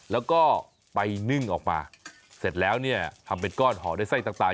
แล้วก็ไปนึ่งออกมาเสร็จแล้วเนี่ยทำเป็นก้อนห่อด้วยไส้ต่าง